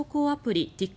アプリ